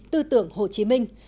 tư tưởng hồ chí minh